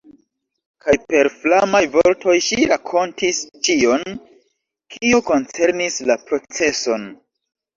Kaj per flamaj vortoj ŝi rakontis ĉion, kio koncernis la proceson.